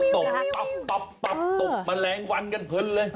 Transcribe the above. ตบตบมะแรงวันกันพึนเลย